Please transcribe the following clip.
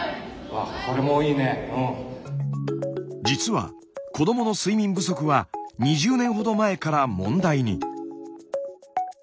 実は子どもの睡眠不足は２０年ほど前から問題に。